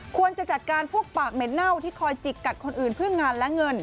ควรจะจัดการพวกปากเหม็นเน่าที่คอยจิกกัดคนอื่นเพื่องานและเงิน